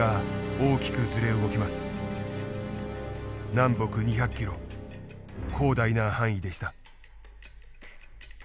南北２００ｋｍ広大な範囲でした。